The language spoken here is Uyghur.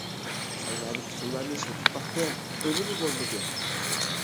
سەينادىكى ئۇسۇللارنى ئىشلىتىپ باقتىم، ئۈنۈمى بولمىدى.